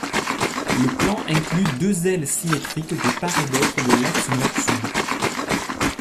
Le plan inclut deux ailes symétriques de part et d'autre de l'axe nord-sud.